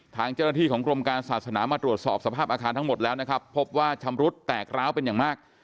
ทางเจ้าหน้าที่ของกรมการศาสนามาตรวจสอบสภาพอาคารทั้งหมดแล้วนะครับพบว่าชำรุดแตกร้าวเป็นอย่างมาก